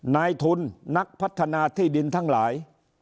นายทุนนักพัฒนาที่ดินทั้งหลาย